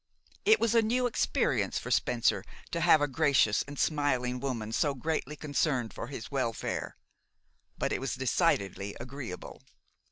It was a new experience for Spencer to have a gracious and smiling woman so greatly concerned for his welfare; but it was decidedly agreeable.